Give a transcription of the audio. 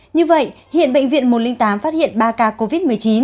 như vậy hiện bệnh viện một trăm linh tám phát hiện ba ca covid một mươi chín